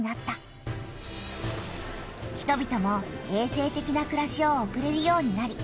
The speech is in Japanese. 人びともえい生てきなくらしを送れるようになり